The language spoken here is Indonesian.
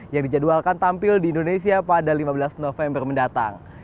yang dijadwalkan tampil di indonesia pada lima belas november mendatang